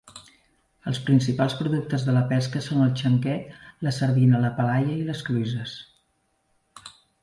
Els principals productes de la pesca són el xanguet, la sardina, la palaia i les cloïsses.